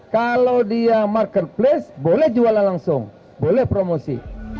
kalau dia marketplace boleh jualan langsung boleh promosi